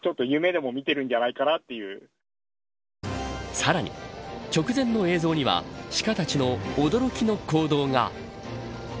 さらに直前の映像にはシカたちの驚きの行動が。